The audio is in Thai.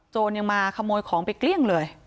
ยังมาขโมยของไปเกลี้ยงเลย